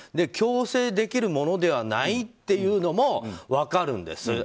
強制できるものではないっていうのも分かるんです。